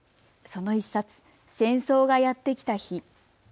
その一冊、せんそうがやってきた日。